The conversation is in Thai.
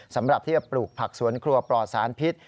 สำหรับที่จะปลูกผักสวนครัวปลอดสารพิษ